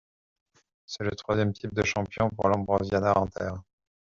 C’est le troisième titre de champion pour l'Ambrosiana Inter.